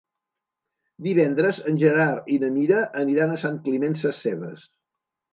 Divendres en Gerard i na Mira aniran a Sant Climent Sescebes.